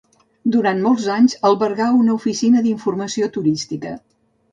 Durant molts d'anys albergà una oficina d'informació turística.